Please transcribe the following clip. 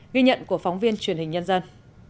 ghi nhận của phóng viên truyền hình nhân dân